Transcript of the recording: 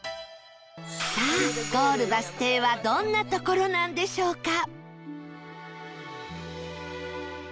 さあゴールバス停はどんな所なんでしょうか？